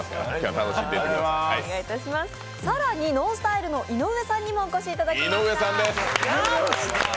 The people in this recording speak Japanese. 更にＮＯＮＳＴＹＬＥの井上さんにもお越しいただきました。